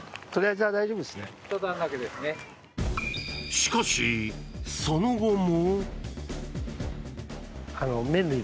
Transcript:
しかし、その後も。